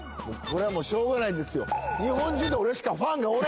これはもうしょうがないんですよ